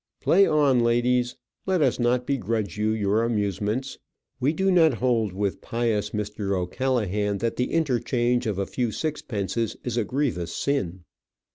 Play on ladies. Let us not begrudge you your amusements. We do not hold with pious Mr. O'Callaghan, that the interchange of a few sixpences is a grievous sin.